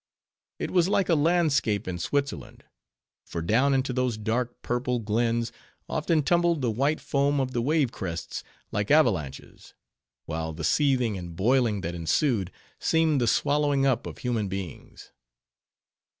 It was like a landscape in Switzerland; for down into those dark, purple glens, often tumbled the white foam of the wave crests, like avalanches; while the seething and boiling that ensued, seemed the swallowing up of human beings.